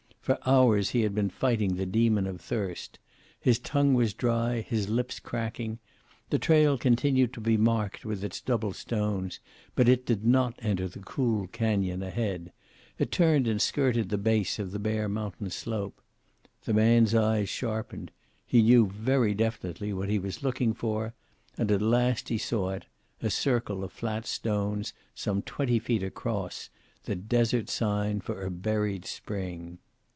For hours he had been fighting the demon of thirst. His tongue was dry, his lips cracking. The trail continued to be marked with its double stones, but it did not enter the cool canyon ahead. It turned and skirted the base of the bare mountain slope. The man's eyes sharpened. He knew very definitely what he was looking for, and at last he saw it, a circle of flat stones, some twenty feet across, the desert sign for a buried spring.